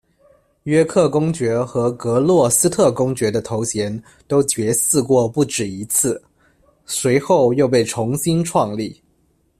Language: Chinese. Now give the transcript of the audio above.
约克公爵和格洛斯特公爵的头衔都绝嗣过不止一次，随后又被重新创立。